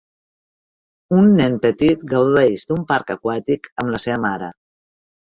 Un nen petit gaudeix d'un parc aquàtic amb la seva mare.